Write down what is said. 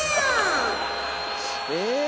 え？